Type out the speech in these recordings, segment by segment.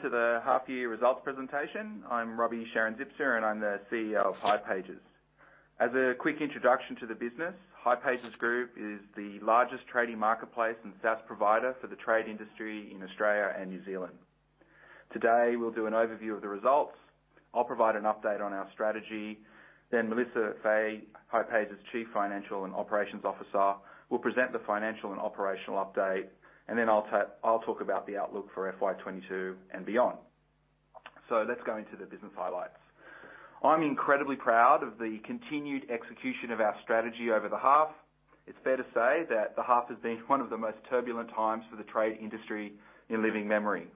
Welcome everyone to the half year results presentation. I'm Roby Sharon-Zipser, and I'm the CEO of hipages. As a quick introduction to the business, hipages Group is the largest tradie marketplace and SaaS provider for the trade industry in Australia and New Zealand. Today, we'll do an overview of the results. I'll provide an update on our strategy. Melissa Fahey, hipages Chief Financial and Operations Officer, will present the financial and operational update. I'll talk about the outlook for FY 2022 and beyond. Let's go into the business highlights. I'm incredibly proud of the continued execution of our strategy over the half. It's fair to say that the half has been one of the most turbulent times for the trade industry in living memory.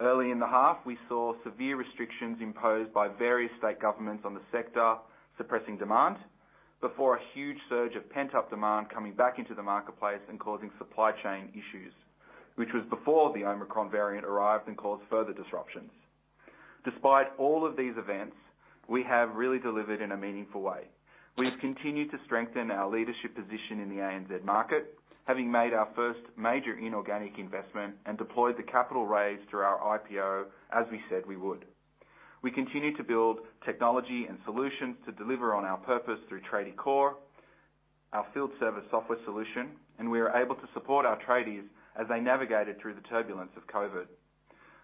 Early in the half, we saw severe restrictions imposed by various state governments on the sector suppressing demand, before a huge surge of pent-up demand coming back into the marketplace and causing supply chain issues, which was before the Omicron variant arrived and caused further disruptions. Despite all of these events, we have really delivered in a meaningful way. We've continued to strengthen our leadership position in the ANZ market, having made our first major inorganic investment and deployed the capital raise through our IPO, as we said we would. We continued to build technology and solutions to deliver on our purpose through Tradiecore, our field service software solution, and we are able to support our tradies as they navigated through the turbulence of COVID.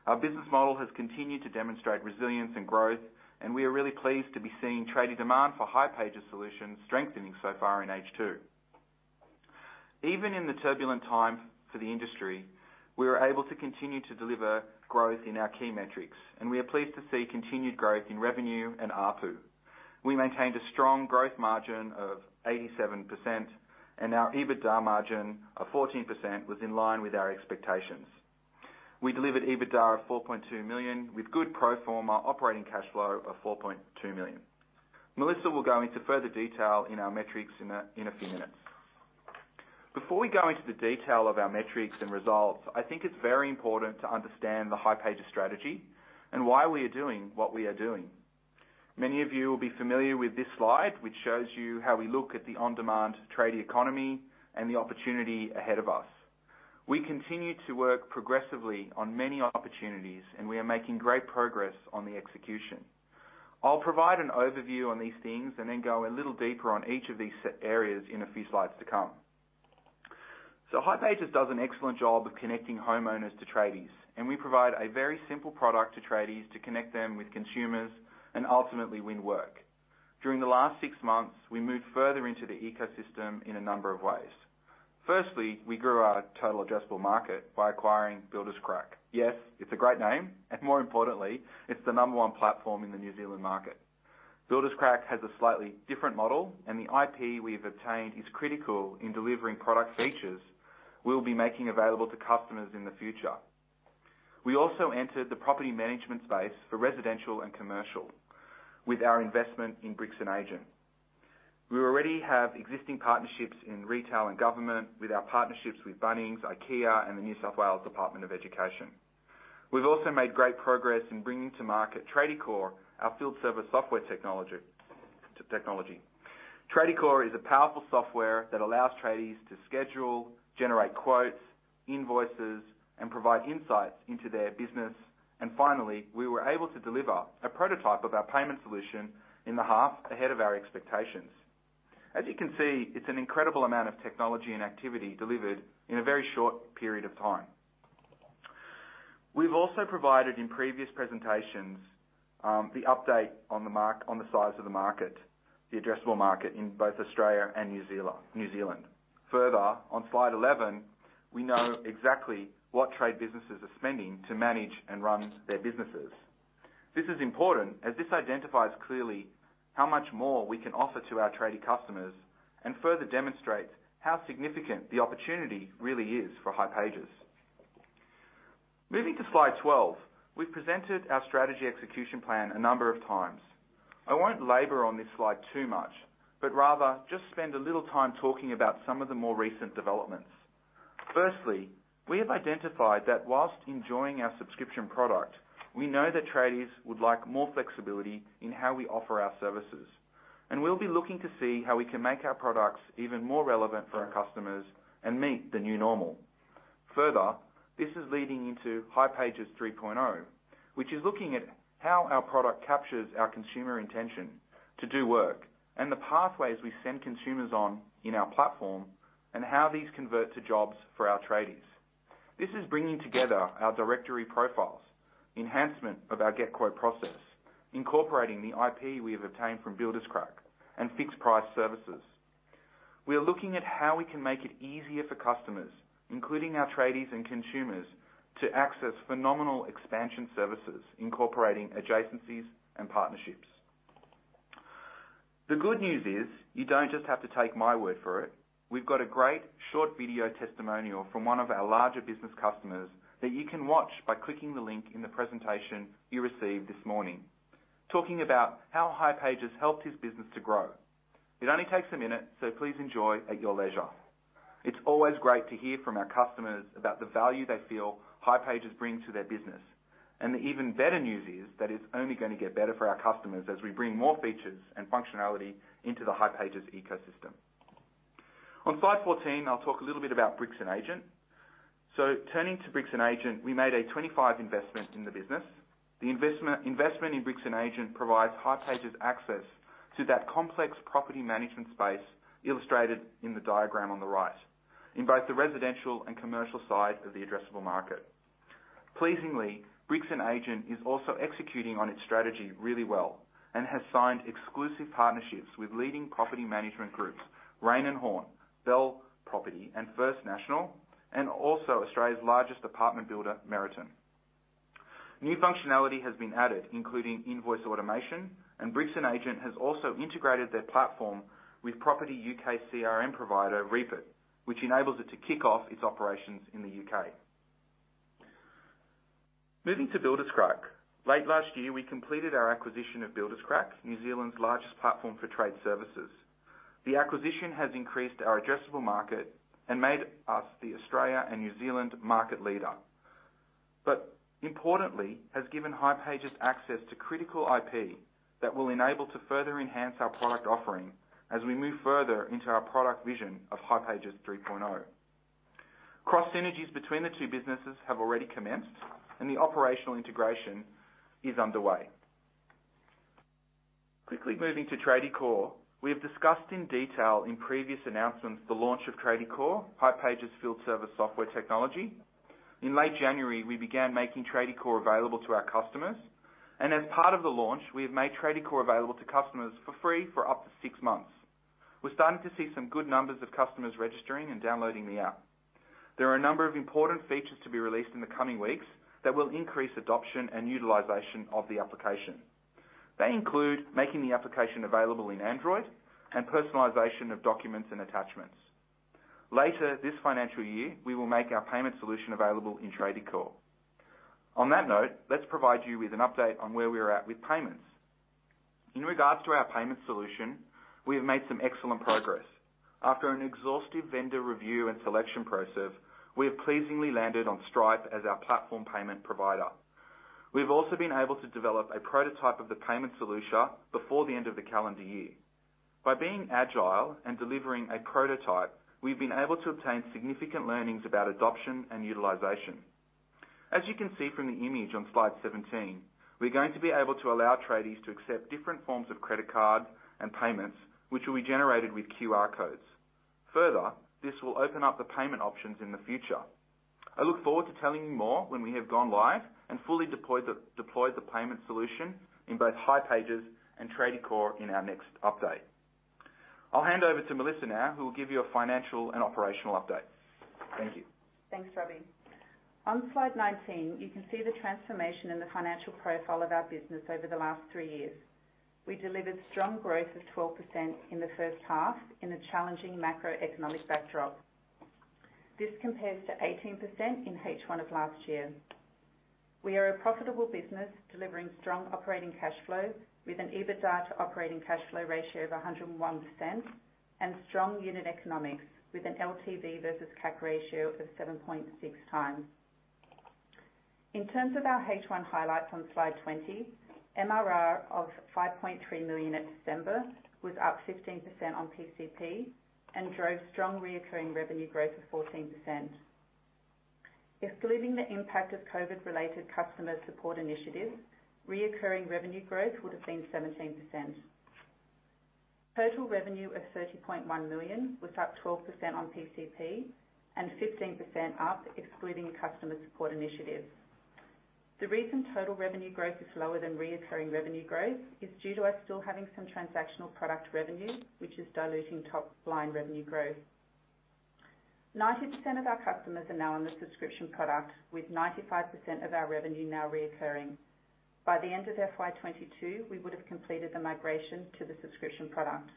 Our business model has continued to demonstrate resilience and growth, and we are really pleased to be seeing tradie demand for hipages solutions strengthening so far in H2. Even in the turbulent time for the industry, we were able to continue to deliver growth in our key metrics, and we are pleased to see continued growth in revenue and ARPU. We maintained a strong growth margin of 87%, and our EBITDA margin of 14% was in line with our expectations. We delivered EBITDA of 4.2 million, with good pro forma operating cash flow of 4.2 million. Melissa will go into further detail in our metrics in a few minutes. Before we go into the detail of our metrics and results, I think it's very important to understand the hipages strategy and why we are doing what we are doing. Many of you will be familiar with this slide, which shows you how we look at the on-demand tradie economy and the opportunity ahead of us. We continue to work progressively on many opportunities, and we are making great progress on the execution. I'll provide an overview on these things and then go a little deeper on each of these set areas in a few slides to come. hipages does an excellent job of connecting homeowners to tradies, and we provide a very simple product to tradies to connect them with consumers and ultimately win work. During the last six months, we moved further into the ecosystem in a number of ways. Firstly, we grew our total addressable market by acquiring Builderscrack. Yes, it's a great name, and more importantly, it's the number one platform in the New Zealand market. Builderscrack has a slightly different model, and the IP we've obtained is critical in delivering product features we'll be making available to customers in the future. We also entered the property management space for residential and commercial with our investment in Bricks + Agent. We already have existing partnerships in retail and government with our partnerships with Bunnings, IKEA, and the New South Wales Department of Education. We've also made great progress in bringing to market Tradiecore, our field service software technology. Tradiecore is a powerful software that allows tradies to schedule, generate quotes, invoices, and provide insights into their business. Finally, we were able to deliver a prototype of our payment solution in the half ahead of our expectations. As you can see, it's an incredible amount of technology and activity delivered in a very short period of time. We've also provided, in previous presentations, the update on the size of the market, the addressable market in both Australia and New Zealand. Further, on slide 11, we know exactly what trade businesses are spending to manage and run their businesses. This is important, as this identifies clearly how much more we can offer to our tradie customers and further demonstrates how significant the opportunity really is for hipages. Moving to slide 12, we've presented our strategy execution plan a number of times. I won't labor on this slide too much, but rather just spend a little time talking about some of the more recent developments. Firstly, we have identified that while enjoying our subscription product, we know that tradies would like more flexibility in how we offer our services. We'll be looking to see how we can make our products even more relevant for our customers and meet the new normal. Further, this is leading into hipages 3.0, which is looking at how our product captures our consumer intention to do work and the pathways we send consumers on in our platform and how these convert to jobs for our tradies. This is bringing together our directory profiles, enhancement of our Get Quote process, incorporating the IP we have obtained from Builderscrack, and fixed price services. We are looking at how we can make it easier for customers, including our tradies and consumers, to access phenomenal expansion services, incorporating adjacencies and partnerships. The good news is, you don't just have to take my word for it. We've got a great short video testimonial from one of our larger business customers that you can watch by clicking the link in the presentation you received this morning, talking about how hipages helped his business to grow. It only takes a minute, so please enjoy at your leisure. It's always great to hear from our customers about the value they feel hipages bring to their business. The even better news is that it's only gonna get better for our customers as we bring more features and functionality into the hipages ecosystem. On slide 14, I'll talk a little bit about Bricks + Agent. Turning to Bricks + Agent, we made a 25% investment in the business. The investment in Bricks + Agent provides hipages access to that complex property management space illustrated in the diagram on the right, in both the residential and commercial side of the addressable market. Pleasingly, Bricks + Agent is also executing on its strategy really well and has signed exclusive partnerships with leading property management groups, Raine & Horne, Belle Property, and First National, and also Australia's largest apartment builder, Meriton. New functionality has been added, including invoice automation, and Bricks + Agent has also integrated their platform with property U.K. CRM provider, Reapit, which enables it to kick off its operations in the U.K. Moving to Builderscrack. Late last year, we completed our acquisition of Builderscrack, New Zealand's largest platform for trade services. The acquisition has increased our addressable market and made us the Australia and New Zealand market leader. Importantly, has given hipages access to critical IP that will enable us to further enhance our product offering as we move further into our product vision of hipages 3.0. Cross synergies between the two businesses have already commenced, and the operational integration is underway. Quickly moving to Tradiecore. We have discussed in detail in previous announcements the launch of Tradiecore, hipages' field service software technology. In late January, we began making Tradiecore available to our customers. As part of the launch, we have made Tradiecore available to customers for free for up to six months. We're starting to see some good numbers of customers registering and downloading the app. There are a number of important features to be released in the coming weeks that will increase adoption and utilization of the application. They include making the application available in Android and personalization of documents and attachments. Later this financial year, we will make our payment solution available in Tradiecore. On that note, let's provide you with an update on where we are at with payments. In regards to our payment solution, we have made some excellent progress. After an exhaustive vendor review and selection process, we have pleasingly landed on Stripe as our platform payment provider. We've also been able to develop a prototype of the payment solution before the end of the calendar year. By being agile and delivering a prototype, we've been able to obtain significant learnings about adoption and utilization. As you can see from the image on slide 17, we're going to be able to allow tradies to accept different forms of credit card and payments, which will be generated with QR codes. Further, this will open up the payment options in the future. I look forward to telling you more when we have gone live and fully deployed the payment solution in both hipages and Tradiecore in our next update. I'll hand over to Melissa now, who will give you a financial and operational update. Thank you. Thanks, Roby. On slide 19, you can see the transformation in the financial profile of our business over the last three years. We delivered strong growth of 12% in the first half in a challenging macroeconomic backdrop. This compares to 18% in H1 of last year. We are a profitable business delivering strong operating cash flow with an EBITDA to operating cash flow ratio of 101% and strong unit economics with an LTV versus CAC ratio of 7.6x. In terms of our H1 highlights on slide 20, MRR of 5.3 million at December was up 15% on PCP and drove strong recurring revenue growth of 14%. Excluding the impact of COVID related customer support initiatives, recurring revenue growth would have been 17%. Total revenue of 30.1 million was up 12% on PCP and 15% up excluding customer support initiatives. The reason total revenue growth is lower than recurring revenue growth is due to us still having some transactional product revenue, which is diluting top line revenue growth. 90% of our customers are now on the subscription product, with 95% of our revenue now recurring. By the end of FY 2022, we would have completed the migration to the subscription product.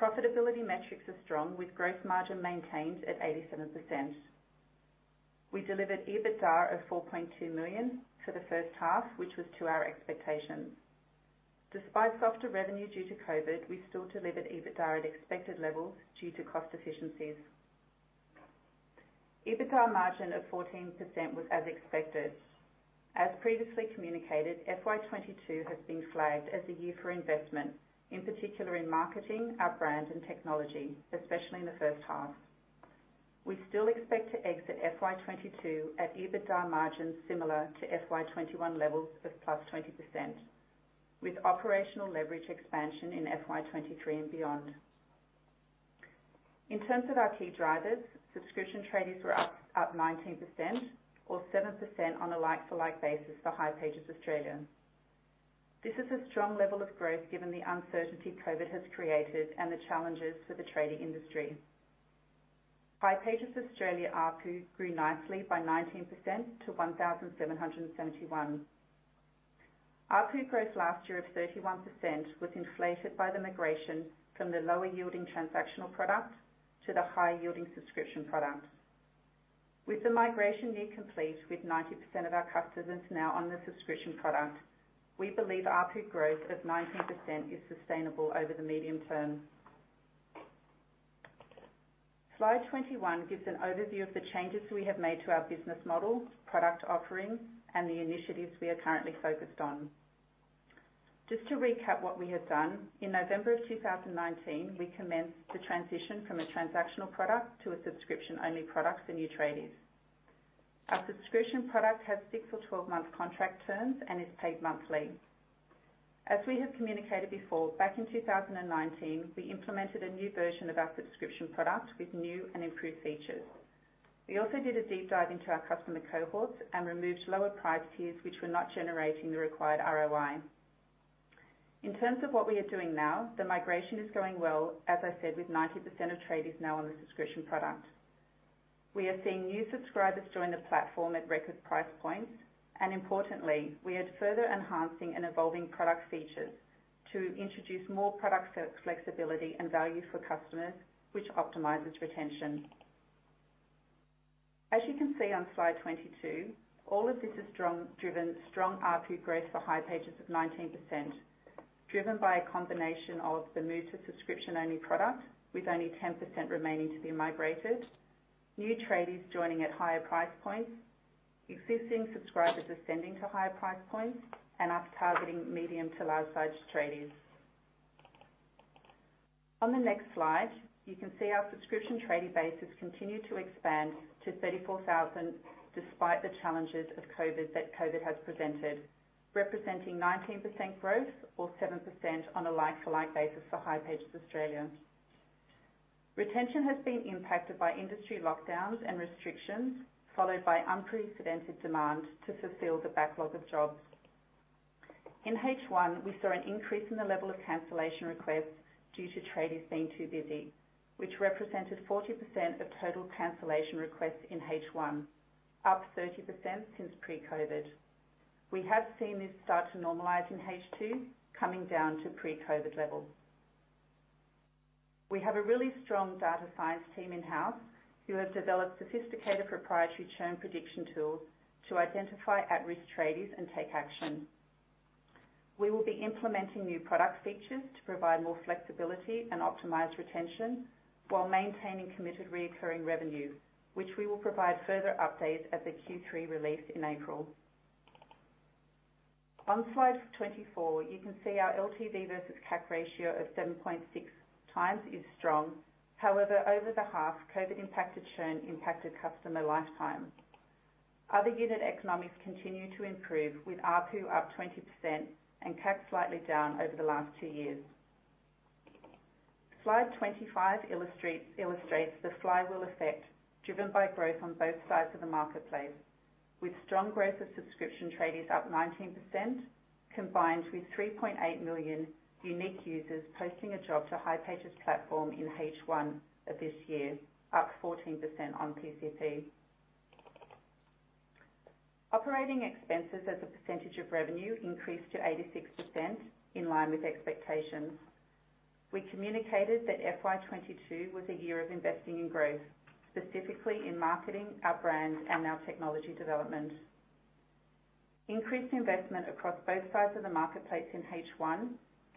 Profitability metrics are strong with gross margin maintained at 87%. We delivered EBITDA of 4.2 million for the first half, which was to our expectations. Despite softer revenue due to COVID, we still delivered EBITDA at expected levels due to cost efficiencies. EBITDA margin of 14% was as expected. As previously communicated, FY 2022 has been flagged as a year for investment, in particular in marketing our brand and technology, especially in the first half. We still expect to exit FY 2022 at EBITDA margins similar to FY 2021 levels of +20%, with operational leverage expansion in FY 2023 and beyond. In terms of our key drivers, subscription tradies were up 19% or 7% on a like for like basis for hipages Australia. This is a strong level of growth given the uncertainty COVID has created and the challenges for the tradie industry. hipages Australia ARPU grew nicely by 19% to 1,771. ARPU growth last year of 31% was inflated by the migration from the lower yielding transactional product to the higher yielding subscription product. With the migration near complete, with 90% of our customers now on the subscription product, we believe ARPU growth of 19% is sustainable over the medium term. Slide 21 gives an overview of the changes we have made to our business model, product offerings, and the initiatives we are currently focused on. Just to recap what we have done. In November of 2019, we commenced the transition from a transactional product to a subscription-only product for new tradies. Our subscription product has six- or 12-month contract terms and is paid monthly. As we have communicated before, back in 2019, we implemented a new version of our subscription product with new and improved features. We also did a deep dive into our customer cohorts and removed lower price tiers which were not generating the required ROI. In terms of what we are doing now, the migration is going well, as I said, with 90% of tradies now on the subscription product. We are seeing new subscribers join the platform at record price points, and importantly, we are further enhancing and evolving product features to introduce more product flexibility and value for customers, which optimizes retention. As you can see on slide 22, all of this has driven strong ARPU growth for hipages of 19%, driven by a combination of the move to subscription-only product with only 10% remaining to be migrated, new tradies joining at higher price points, existing subscribers ascending to higher price points, and us targeting medium to large-sized tradies. On the next slide, you can see our subscription tradie base has continued to expand to 34,000 despite the challenges of COVID that COVID has presented, representing 19% growth or 7% on a like-for-like basis for hipages Australia. Retention has been impacted by industry lockdowns and restrictions, followed by unprecedented demand to fulfill the backlog of jobs. In H1, we saw an increase in the level of cancellation requests due to tradies being too busy, which represented 40% of total cancellation requests in H1, up 30% since pre-COVID. We have seen this start to normalize in H2, coming down to pre-COVID levels. We have a really strong data science team in-house who have developed sophisticated proprietary churn prediction tools to identify at-risk tradies and take action. We will be implementing new product features to provide more flexibility and optimize retention while maintaining committed recurring revenue, which we will provide further updates at the Q3 release in April. On slide 24, you can see our LTV versus CAC ratio of 7.6x is strong. However, over the half, COVID impacted churn and customer lifetime. Other unit economics continue to improve, with ARPU up 20% and CAC slightly down over the last two years. Slide 25 illustrates the flywheel effect, driven by growth on both sides of the marketplace, with strong growth of subscription tradies up 19%, combined with 3.8 million unique users posting a job to hipages platform in H1 of this year, up 14% on PCP. Operating expenses as a percentage of revenue increased to 86% in line with expectations. We communicated that FY 2022 was a year of investing in growth, specifically in marketing our brand and our technology development. Increased investment across both sides of the marketplace in H1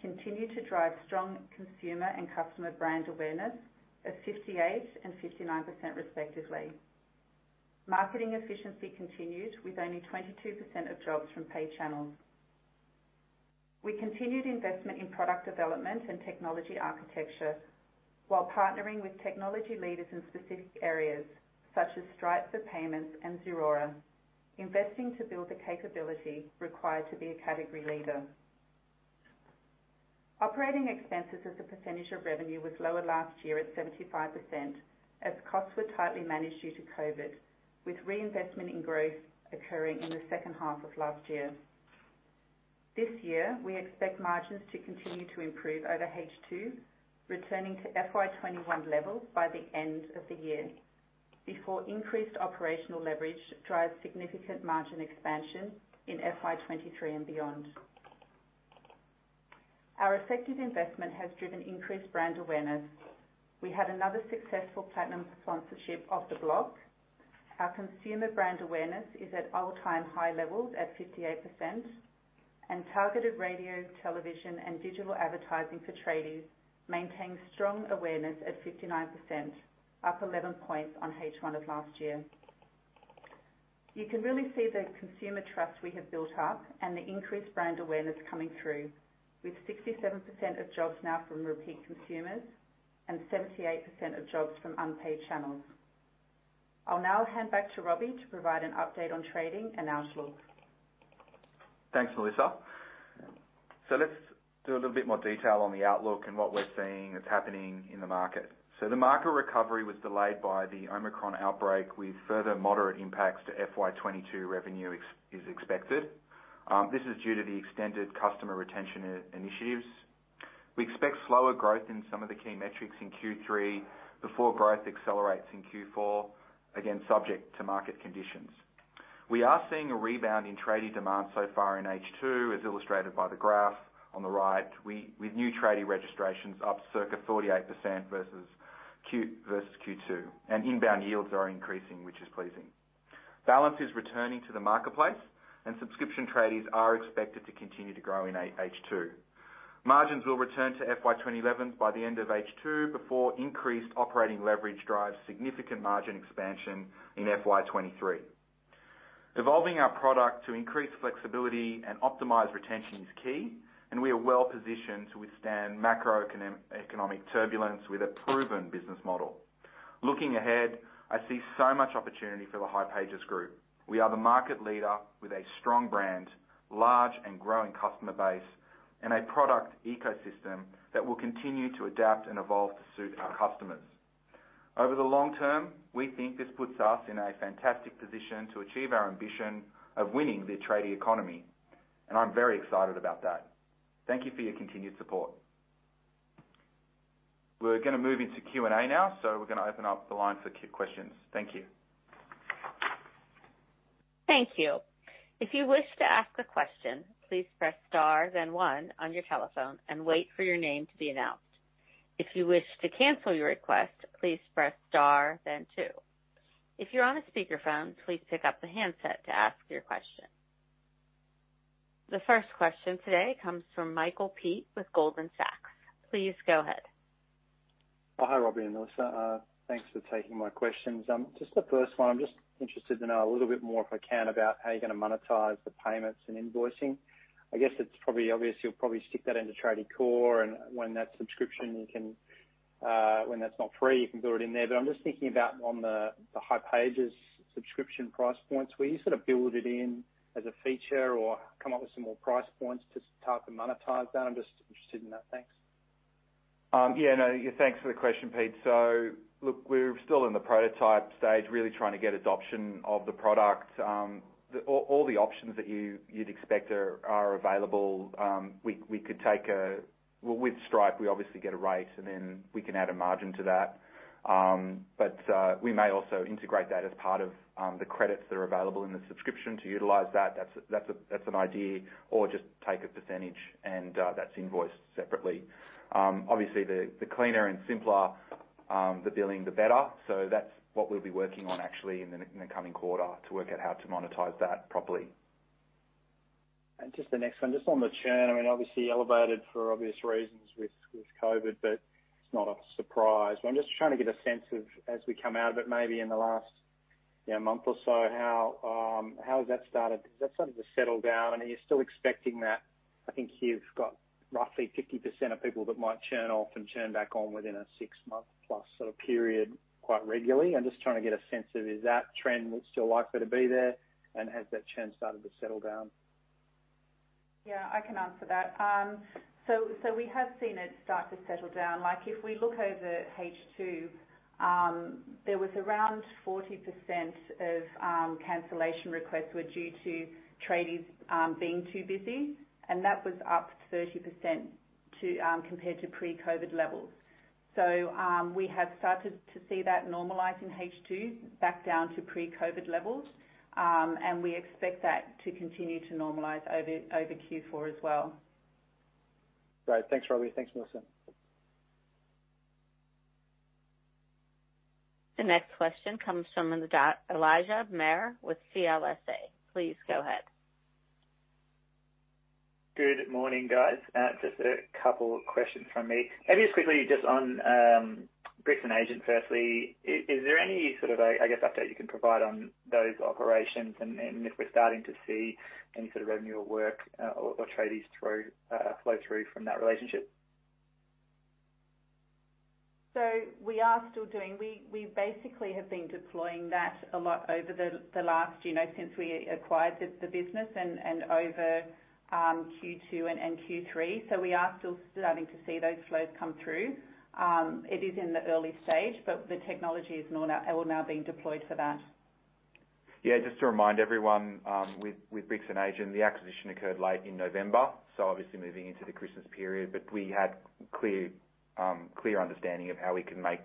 continued to drive strong consumer and customer brand awareness of 58% and 59% respectively. Marketing efficiency continued, with only 22% of jobs from paid channels. We continued investment in product development and technology architecture while partnering with technology leaders in specific areas such as Stripe for payments and Xero, investing to build the capability required to be a category leader. Operating expenses as a percentage of revenue was lower last year at 75% as costs were tightly managed due to COVID, with reinvestment in growth occurring in the second half of last year. This year, we expect margins to continue to improve over H2, returning to FY 2021 levels by the end of the year before increased operational leverage drives significant margin expansion in FY 2023 and beyond. Our effective investment has driven increased brand awareness. We had another successful platinum sponsorship of The Block. Our consumer brand awareness is at all-time high levels at 58%, and targeted radio, television, and digital advertising for tradies maintains strong awareness at 59%, up 11 points on H1 of last year. You can really see the consumer trust we have built up and the increased brand awareness coming through, with 67% of jobs now from repeat consumers and 78% of jobs from unpaid channels. I'll now hand back to Roby to provide an update on trading and outlook. Thanks, Melissa. Let's do a little bit more detail on the outlook and what we're seeing is happening in the market. The market recovery was delayed by the Omicron outbreak with further moderate impacts to FY 2022 revenue is expected. This is due to the extended customer retention initiatives. We expect slower growth in some of the key metrics in Q3 before growth accelerates in Q4, again, subject to market conditions. We are seeing a rebound in tradie demand so far in H2, as illustrated by the graph on the right. With new tradie registrations up circa 48% versus Q2, and inbound yields are increasing, which is pleasing. Balance is returning to the marketplace and subscription tradies are expected to continue to grow in H2. Margins will return to FY 2011 by the end of H2 before increased operating leverage drives significant margin expansion in FY 2023. Evolving our product to increase flexibility and optimize retention is key, and we are well positioned to withstand macroeconomic turbulence with a proven business model. Looking ahead, I see so much opportunity for the hipages Group. We are the market leader with a strong brand, large and growing customer base, and a product ecosystem that will continue to adapt and evolve to suit our customers. Over the long term, we think this puts us in a fantastic position to achieve our ambition of winning the tradie economy, and I'm very excited about that. Thank you for your continued support. We're gonna move into Q&A now, so we're gonna open up the line for questions. Thank you. Thank you. If you wish to ask a question, please press star then one on your telephone and wait for your name to be announced. If you wish to cancel your request, please press star then two. If you're on a speakerphone, please pick up the handset to ask your question. The first question today comes from Michael Peet with Goldman Sachs. Please go ahead. Hi, Roby and Melissa. Thanks for taking my questions. Just the first one. I'm just interested to know a little bit more, if I can, about how you're gonna monetize the payments and invoicing. I guess it's probably obvious you'll probably stick that into Tradiecore and when that subscription you can, when that's not free, you can build it in there. But I'm just thinking about on the hipages subscription price points. Will you sort of build it in as a feature or come up with some more price points to start to monetize that? I'm just interested in that. Thanks. Yeah, no. Thanks for the question, Peet. Look, we're still in the prototype stage, really trying to get adoption of the product. All the options that you'd expect are available. With Stripe, we obviously get a rate, and then we can add a margin to that. We may also integrate that as part of the credits that are available in the subscription to utilize that. That's an idea. Just take a percentage, and that's invoiced separately. Obviously, the cleaner and simpler the billing, the better. That's what we'll be working on actually in the coming quarter to work out how to monetize that properly. Just the next one. Just on the churn, I mean, obviously elevated for obvious reasons with COVID, but it's not a surprise. I'm just trying to get a sense of as we come out of it, maybe in the last, you know, month or so, how has that started? Has that started to settle down? Are you still expecting that, I think, you've got roughly 50% of people that might churn off and churn back on within a six-month plus sort of period quite regularly. I'm just trying to get a sense of is that trend still likely to be there, and has that churn started to settle down? Yeah, I can answer that. So we have seen it start to settle down. Like, if we look over H2, there was around 40% of cancellation requests were due to tradies being too busy, and that was up 30% compared to pre-COVID levels. We have started to see that normalize in H2 back down to pre-COVID levels. We expect that to continue to normalize over Q4 as well. Great. Thanks, Roby. Thanks, Melissa. The next question comes from Elijah Mayr with CLSA. Please go ahead. Good morning, guys. Just a couple of questions from me. Maybe just quickly on Bricks + Agent firstly. Is there any sort of a, I guess, update you can provide on those operations and if we're starting to see any sort of revenue or work or tradies through flow through from that relationship? We are still doing. We basically have been deploying that a lot over the last, you know, since we acquired the business and over Q2 and Q3. We are still starting to see those flows come through. It is in the early stage, but the technology is well, now being deployed for that. Yeah, just to remind everyone, with Bricks + Agent, the acquisition occurred late in November, so obviously moving into the Christmas period. We had clear understanding of how we can make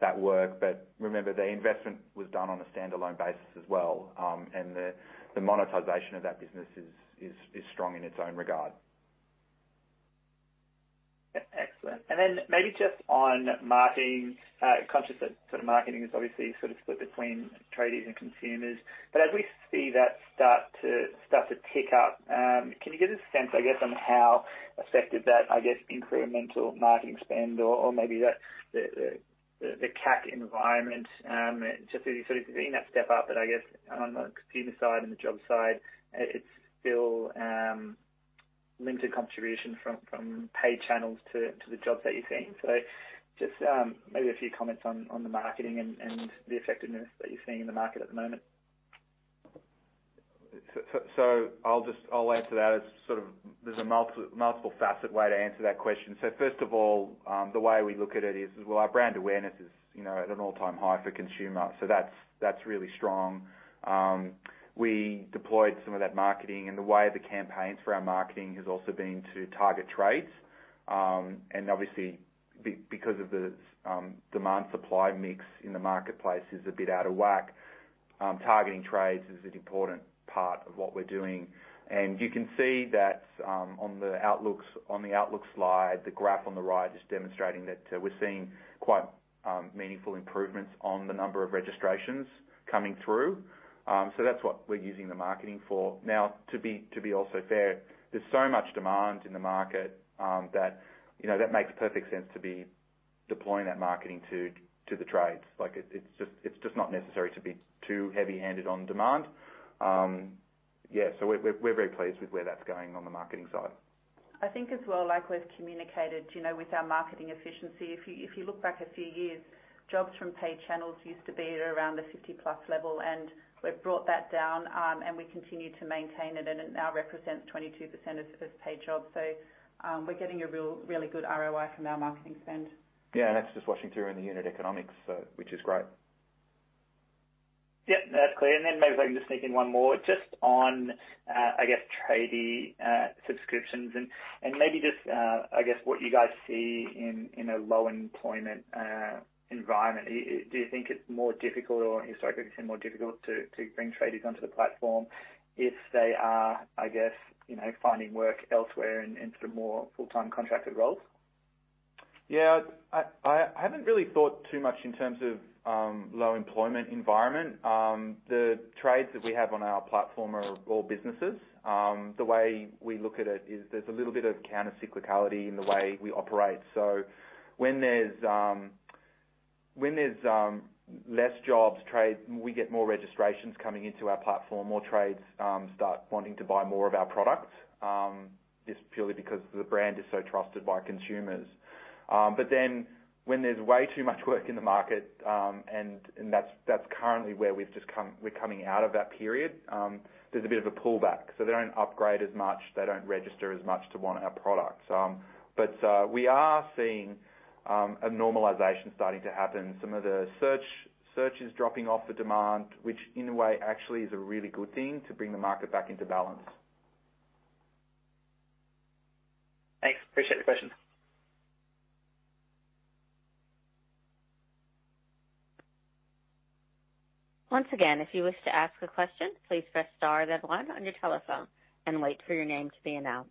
that work. Remember, the investment was done on a standalone basis as well. The monetization of that business is strong in its own regard. Excellent. Maybe just on marketing. Conscious that sort of marketing is obviously sort of split between tradies and consumers. As we see that start to tick up, can you give us a sense, I guess, on how effective that, I guess, incremental marketing spend or maybe the CAC environment, just as you're sort of seeing that step up, but I guess on the consumer side and the job side, it's still limited contribution from paid channels to the jobs that you're seeing. Just maybe a few comments on the marketing and the effectiveness that you're seeing in the market at the moment. I'll answer that as sort of there's a multiple faceted way to answer that question. First of all, the way we look at it is, well, our brand awareness is, you know, at an all-time high for consumer. That's really strong. We deployed some of that marketing, and the way the campaigns for our marketing has also been to target trades. And obviously because of the demand supply mix in the marketplace is a bit out of whack, targeting trades is an important part of what we're doing. You can see that on the outlooks, on the outlook slide, the graph on the right is demonstrating that, we're seeing quite meaningful improvements on the number of registrations coming through. That's what we're using the marketing for. Now, to be also fair, there's so much demand in the market, that, you know, that makes perfect sense to be deploying that marketing to the trades. Like it's just not necessary to be too heavy-handed on demand. Yeah, we're very pleased with where that's going on the marketing side. I think as well, like we've communicated, you know, with our marketing efficiency, if you look back a few years, jobs from paid channels used to be around the 50+ level, and we've brought that down, and we continue to maintain it, and it now represents 22% of paid jobs. We're getting a really good ROI from our marketing spend. Yeah, that's just washing through in the unit economics, so which is great. Yep, that's clear. Maybe if I can just sneak in one more just on, I guess, tradie subscriptions and maybe just, I guess what you guys see in a low employment environment. Do you think it's more difficult or historically been more difficult to bring tradies onto the platform if they are, I guess, you know, finding work elsewhere in sort of more full-time contracted roles? Yeah. I hadn't really thought too much in terms of low employment environment. The trades that we have on our platform are all businesses. The way we look at it is there's a little bit of counter-cyclicality in the way we operate. When there's less jobs, trades, we get more registrations coming into our platform. More trades start wanting to buy more of our product just purely because the brand is so trusted by consumers. But then when there's way too much work in the market, and that's currently where we're coming out of that period, there's a bit of a pullback. They don't upgrade as much. They don't register as much or want our product. But we are seeing a normalization starting to happen. Some of the search is dropping off the demand, which in a way, actually is a really good thing to bring the market back into balance. Thanks. Appreciate the question. Once again, if you wish to ask a question, please press star then one on your telephone and wait for your name to be announced.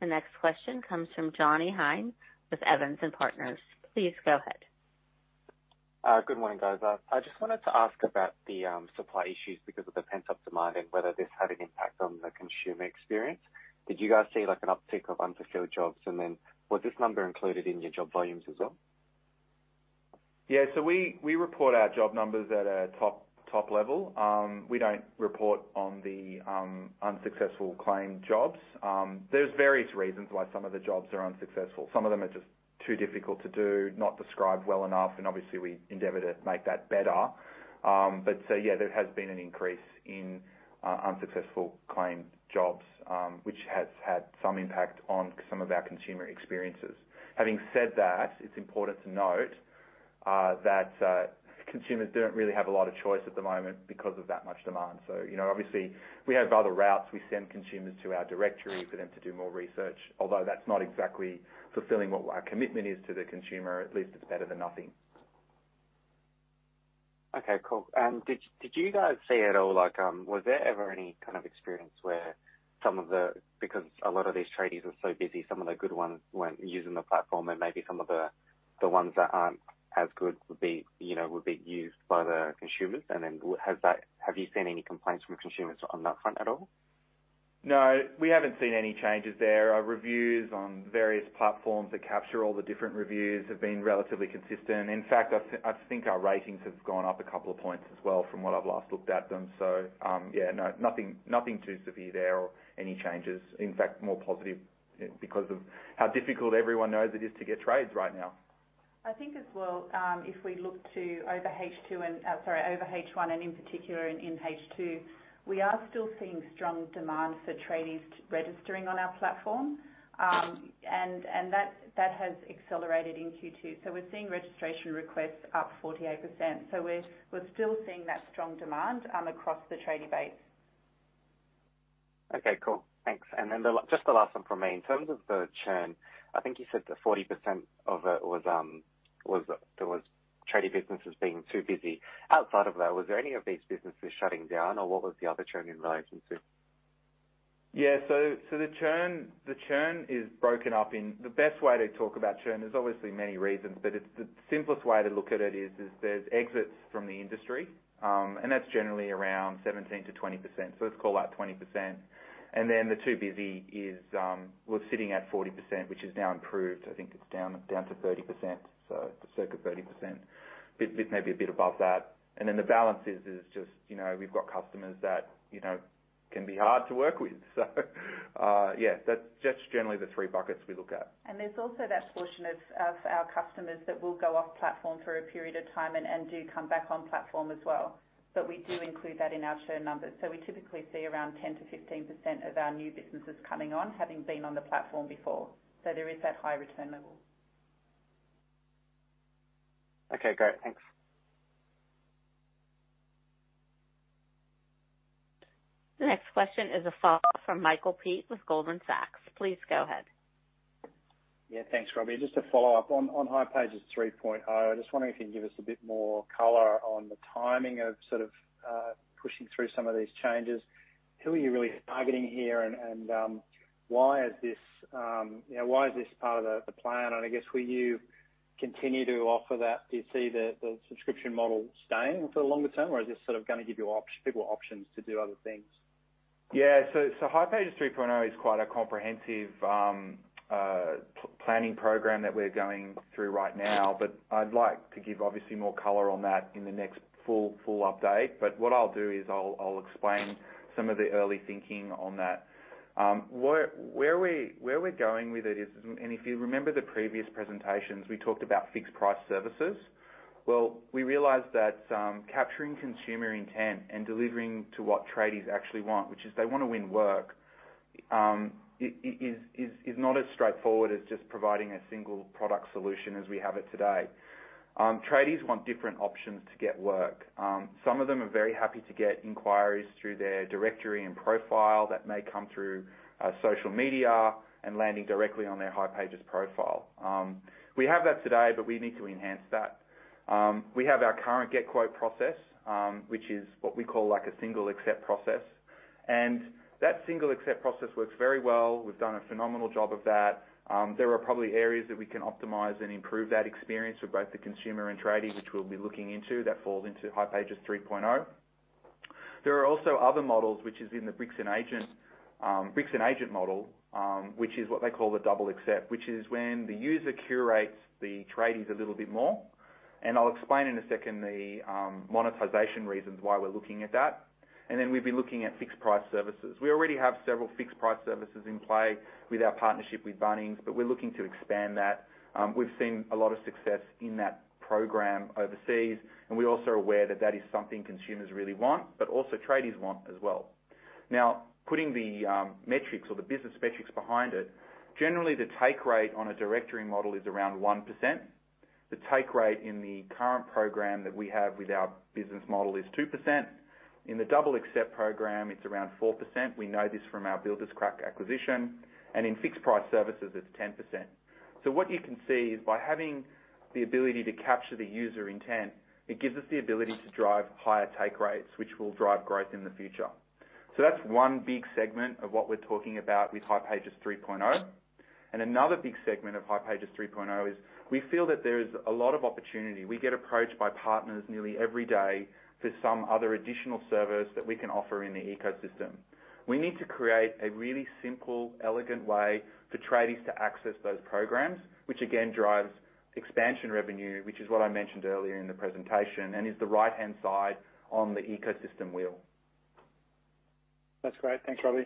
The next question comes from Jonny Hein with Evans and Partners. Please go ahead. Good morning, guys. I just wanted to ask about the supply issues because of the pent-up demand and whether this had an impact on the consumer experience. Did you guys see, like, an uptick of unfulfilled jobs? Was this number included in your job volumes as well? We report our job numbers at a top level. We don't report on the unsuccessful claimed jobs. There's various reasons why some of the jobs are unsuccessful. Some of them are just too difficult to do, not described well enough, and obviously, we endeavor to make that better. Yeah, there has been an increase in unsuccessful claimed jobs, which has had some impact on some of our consumer experiences. Having said that, it's important to note that consumers don't really have a lot of choice at the moment because of that much demand. You know, obviously, we have other routes. We send consumers to our directory for them to do more research. Although that's not exactly fulfilling what our commitment is to the consumer, at least it's better than nothing. Okay, cool. Did you guys see at all, like, was there ever any kind of experience because a lot of these tradies are so busy, some of the good ones weren't using the platform and maybe some of the ones that aren't as good would be, you know, would be used by the consumers? Have you seen any complaints from consumers on that front at all? No. We haven't seen any changes there. Our reviews on various platforms that capture all the different reviews have been relatively consistent. In fact, I think our ratings have gone up a couple of points as well from what I've last looked at them. Yeah, no, nothing too severe there or any changes. In fact, more positive because of how difficult everyone knows it is to get trades right now. I think as well, if we look to over H1 and in particular in H2, we are still seeing strong demand for tradies registering on our platform. And that has accelerated in Q2. We're seeing registration requests up 48%. We're still seeing that strong demand across the tradie base. Okay, cool. Thanks. Just the last one from me. In terms of the churn, I think you said that 40% of it was tradie businesses being too busy. Outside of that, was there any of these businesses shutting down, or what was the other churn in relationship to? Yeah. The churn is broken up. The best way to talk about churn, there's obviously many reasons, but the simplest way to look at it is there's exits from the industry, and that's generally around 17%-20%. Let's call that 20%. The too busy was sitting at 40%, which has now improved. I think it's down to 30%. Circa 30%. Maybe a bit above that. The balance is just, you know, we've got customers that, you know, can be hard to work with. Yeah, that's just generally the three buckets we look at. There's also that portion of our customers that will go off platform for a period of time and do come back on platform as well. We do include that in our churn numbers. We typically see around 10%-15% of our new businesses coming on, having been on the platform before. There is that high return level. Okay, great. Thanks. The next question is a follow-up from Michael Peet with Goldman Sachs. Please go ahead. Yeah, thanks, Roby. Just to follow up on hipages 3.0, I'm just wondering if you can give us a bit more color on the timing of sort of pushing through some of these changes. Who are you really targeting here, and you know, why is this part of the plan? I guess, will you continue to offer that? Do you see the subscription model staying for the longer term, or is this sort of gonna give you people options to do other things? Yeah. hipages 3.0 is quite a comprehensive planning program that we're going through right now. But I'd like to give obviously more color on that in the next full update. What I'll do is I'll explain some of the early thinking on that. Where we're going with it is if you remember the previous presentations, we talked about fixed price services. Well, we realized that capturing consumer intent and delivering to what tradies actually want, which is they wanna win work, is not as straightforward as just providing a single product solution as we have it today. Tradies want different options to get work. Some of them are very happy to get inquiries through their directory and profile that may come through social media and landing directly on their hipages profile. We have that today, but we need to enhance that. We have our current Get Quote process, which is what we call like a single accept process. That single accept process works very well. We've done a phenomenal job of that. There are probably areas that we can optimize and improve that experience for both the consumer and tradie, which we'll be looking into. That falls into hipages 3.0. There are also other models which is in the Bricks + Agent model, which is what they call the double accept, which is when the user curates the tradies a little bit more. I'll explain in a second the monetization reasons why we're looking at that. We've been looking at fixed price services. We already have several fixed price services in play with our partnership with Bunnings, but we're looking to expand that. We've seen a lot of success in that program overseas, and we're also aware that that is something consumers really want, but also tradies want as well. Now, putting the metrics or the business metrics behind it, generally the take rate on a directory model is around 1%. The take rate in the current program that we have with our business model is 2%. In the double accept program, it's around 4%. We know this from our Builderscrack acquisition. In fixed price services, it's 10%. What you can see is by having the ability to capture the user intent, it gives us the ability to drive higher take rates, which will drive growth in the future. That's one big segment of what we're talking about with hipages 3.0. Another big segment of hipages 3.0 is we feel that there is a lot of opportunity. We get approached by partners nearly every day for some other additional service that we can offer in the ecosystem. We need to create a really simple, elegant way for tradies to access those programs, which again drives expansion revenue, which is what I mentioned earlier in the presentation, and is the right-hand side on the ecosystem wheel. That's great. Thanks, Roby.